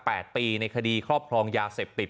ปีในคดีครอบครองยาเสพติด